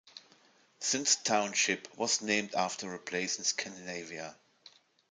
Synnes Township was named after a place in Scandinavia.